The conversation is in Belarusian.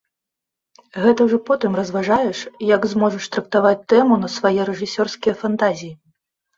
Гэта ўжо потым разважаеш, як зможаш трактаваць тэму на свае рэжысёрскія фантазіі.